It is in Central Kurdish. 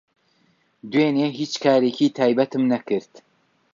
دوێنێ هیچ کارێکی تایبەتم نەکرد.